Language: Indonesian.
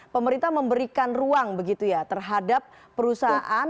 pemerintah memberikan ruang begitu ya terhadap perusahaan